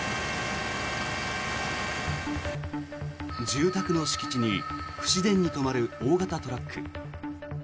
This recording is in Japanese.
住宅の敷地に不自然に止まる大型トラック。